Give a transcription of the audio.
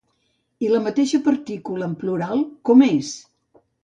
I aquesta mateixa partícula en plural, com és?